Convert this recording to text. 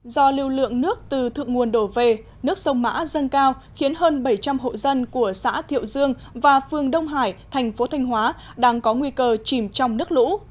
do lưu lượng nước từ thượng nguồn đổ về nước sông mã dâng cao khiến hơn bảy trăm linh hộ dân của xã thiệu dương và phương đông hải thành phố thanh hóa đang có nguy cơ chìm trong nước lũ